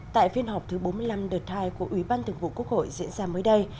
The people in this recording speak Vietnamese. tại phiên họp thứ bốn mươi năm đợt hai của ủy ban thường vụ quốc hội diễn ra mới đây